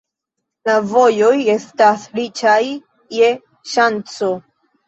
La vojoj estas riĉaj je ŝanco.